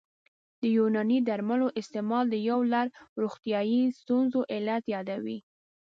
د یوناني درملو استعمال د یو لړ روغتیايي ستونزو علت یادوي